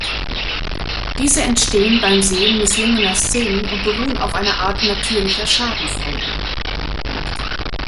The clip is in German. Diese entstehen beim Sehen misslungener Szenen und beruhen auf einer Art natürlicher „Schadenfreude“.